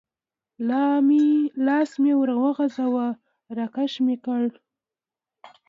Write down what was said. لاس مې ور وغځاوه، را کش مې کړل.